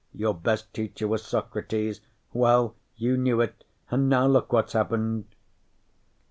Your best teacher was Socrates. Well you knew it, and now look what's happened!